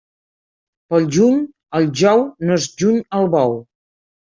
Pel juny, el jou no es juny al bou.